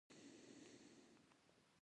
فرهنګي قشر دوه ډوله طالبي کړنې زېږولې.